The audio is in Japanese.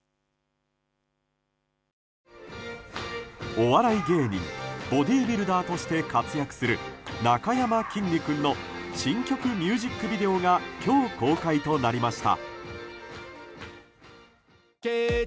お笑い芸人ボディービルダーとして活躍するなかやまきんに君の新曲ミュージックビデオが今日、公開となりました。